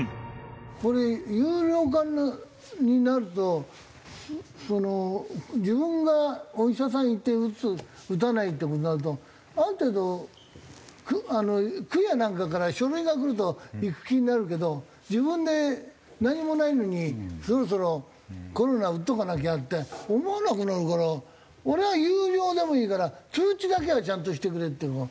これ有料化になるとその自分がお医者さん行って打つ打たないって事になるとある程度区やなんかから書類が来ると行く気になるけど自分で何もないのに「そろそろコロナ打っとかなきゃ」って思わなくなるから俺は有料でもいいから通知だけはちゃんとしてくれっていうのが。